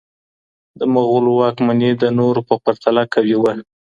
د مغولو واکمني د نورو په پرتله قوي وه.